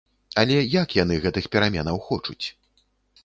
Але як яны гэтых пераменаў хочуць?